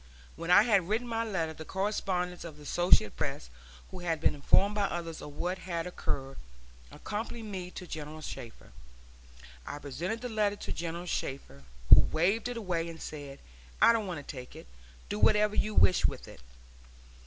When I had written my letter, the correspondent of the Associated Press, who had been informed by others of what had occurred, accompanied me to General Shafter. I presented the letter to General Shafter, who waved it away and said: "I don't want to take it; do whatever you wish with it."